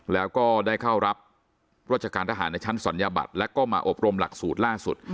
แล้วก็ได้เข้ารับราชการทหารในชั้นศัลยบัตรแล้วก็มาอบรมหลักสูตรล่าสุด